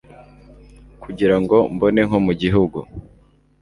Kugira ngo mbone nko mu gihu